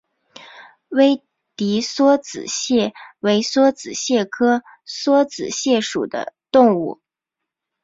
威迪梭子蟹为梭子蟹科梭子蟹属的动物。